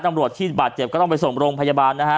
ตำรวจที่บาดเจ็บก็ต้องไปส่งโรงพยาบาลนะฮะ